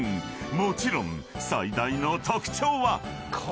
［もちろん最大の特徴は］せーの。